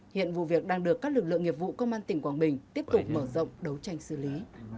hiện vụ việc đang được các lực lượng nghiệp vụ công an tỉnh quảng bình tiếp tục mở rộng đấu tranh xử lý